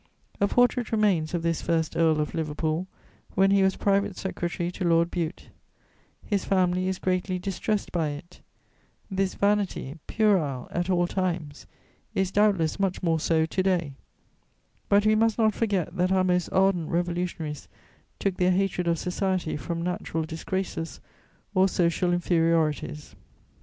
A portrait remains of this first Earl of Liverpool when he was private secretary to Lord Bute; his family is greatly distressed by it: this vanity, puerile at all times, is doubtless much more so to day; but we must not forget that our most ardent revolutionaries took their hatred of society from natural disgraces or social inferiorities.